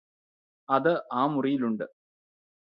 അത് ആ മുറിയിലുണ്ട്